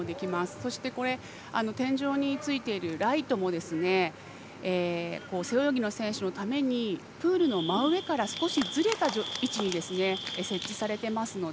そして天井についているライトも背泳ぎの選手のためにプールの真上から少しずれた位置に設置されていますので。